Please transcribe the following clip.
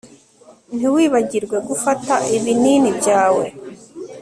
Ntiwibagirwe gufata ibinini byawe